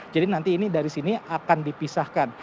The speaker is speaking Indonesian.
jadi nanti ini dari sini akan dipisahkan